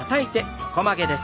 横曲げです。